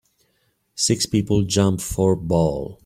Six people jump for ball.